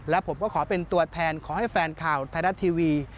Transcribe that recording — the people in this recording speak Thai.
และผมก็ขอเป็นตัวแทนขอให้แฟนข่าวไทยรัฐทีวี